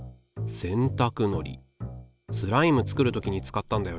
洗たくのりスライム作る時に使ったんだよね。